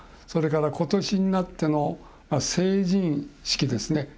それから、ことしになっての成人式ですね。